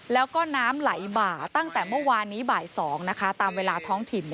แล้วก็น้ำไหลบ่าตั้งแต่เมื่อวานนี้บ่าย๒นะคะตามเวลาท้องถิ่น